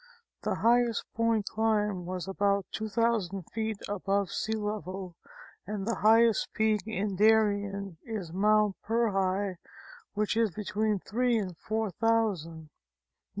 The highest point climbed was about 2,000 feet above sea level and the highest peak in Darien is Mt. Pyrrhi which is between three and four thousand.